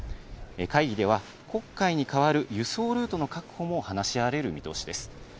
会議では、黒海に代わる輸送ルートの確保も話し合われる見通しです。